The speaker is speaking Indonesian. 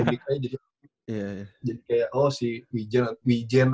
jadi kayak oh si wijen atau wijin